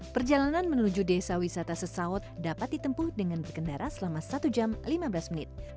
perjalanan menuju desa wisata sesawot dapat ditempuh dengan berkendara selama satu jam lima belas menit